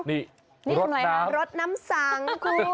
นี่รสน้ำสังคุณ